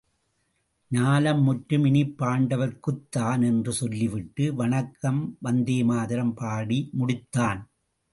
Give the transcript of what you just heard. ஞால முற்றும் இனிப் பாண்டவர்க்குத் தான் என்று சொல்லிவிட்டு, வணக்கம் வந்தே மாதரம் பாடி முடித்தான்.